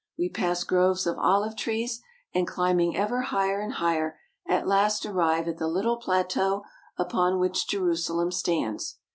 We pass groves of olive trees, and climbing ever higher and higher, at last arrive at the little plateau upon which Jerusalem stands.